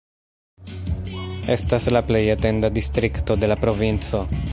Estas la plej etenda distrikto de la provinco.